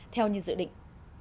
theo như dự định